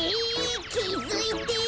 きづいてよ。